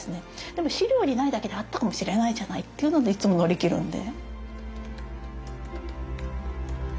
でも資料にないだけであったかもしれないじゃない？っていうのでいつも乗り切るんで。